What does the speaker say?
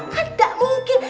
kan gak mungkin